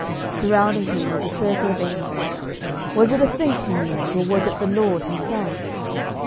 Surrounding him was a circle of angels. Was it a saint who kneeled, or was it the Lord Himself?